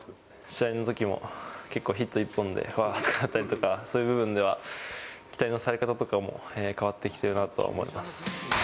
試合のときも、結構ヒット１本で、わーっとなったりとか、そういう部分では、期待のされ方とかも変わってきてるなとは思います。